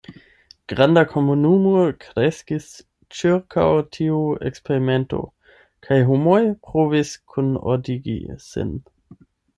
Granda komunumo kreskis ĉirkaŭ tiu eksperimento, kaj homoj provis kunordigi sin.